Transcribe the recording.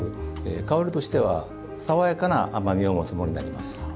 香りとしては、爽やかな甘みを持つものになります。